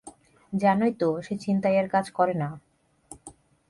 জানোই তো, সে ছিনতাইয়ের কাজ করে না।